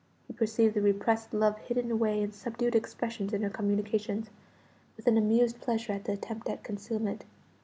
He perceived the repressed love hidden away in subdued expressions in her communications, with an amused pleasure at the attempt at concealment.